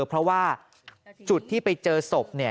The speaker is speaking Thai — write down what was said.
เพราะว่าจุดที่ไปเจอศพ